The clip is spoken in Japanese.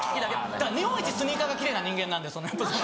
だから日本一スニーカーが奇麗な人間なんで。